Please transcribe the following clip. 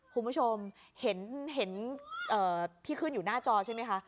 คุณผู้ชมเห็นที่ขึ้นอยู่หน้าจอใช่ไหมคะ